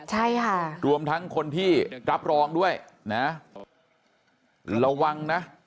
ใช่ค่ะรวมทั้งคนที่รับรองด้วยนะระวังนะ